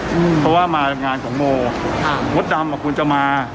เพราะว่ามางาน๒โมกราศาสตรามัวดำอ่ะคุณจะมา